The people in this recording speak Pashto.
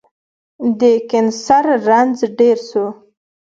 د کېنسر رنځ ډير سو